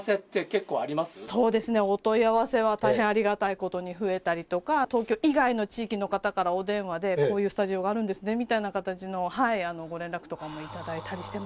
そうですね、お問い合わせは大変ありがたいことに増えたりとか、東京以外の地域の方からお電話で、こういったスタジオがあるんですねみたいな形のご連絡とかも頂い